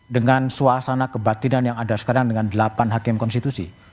dengan suasana kebatinan yang ada sekarang dengan delapan hakim konstitusi